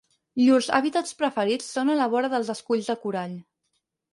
Llurs hàbitats preferits són a la vora dels esculls de corall.